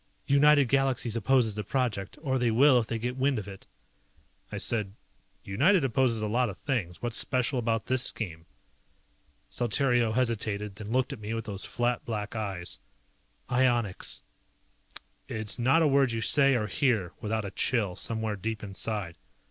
"United Galaxies opposes the project. Or they will if they get wind of it." I said, "United opposes a lot of things, what's special about this scheme?" Saltario hesitated, then looked at me with those flat black eyes. "Ionics." It's not a word you say, or hear, without a chill somewhere deep inside.